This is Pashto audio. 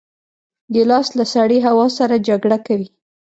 ګیلاس له سړې هوا سره جګړه کوي.